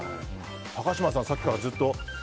高嶋さん、さっきからずっと。